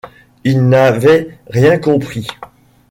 Il n’avait rien compris